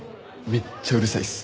めっちゃうるさいっす。